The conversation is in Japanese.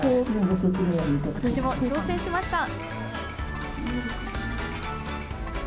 私も挑戦しました！